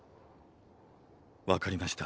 わかりました。